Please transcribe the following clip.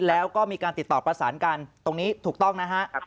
แล้วก็มีการติดต่อประสานกันตรงนี้ถูกต้องนะฮะ